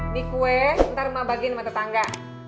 nih kue ntar mak bagiin sama tetangga